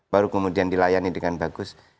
baru kemudian dilayani dengan bagus